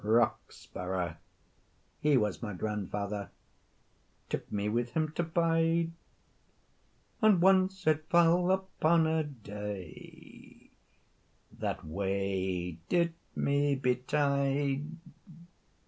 "Roxbrugh he was my grandfather, Took me with him to bide, And ance it fell upon a day That wae did me betide.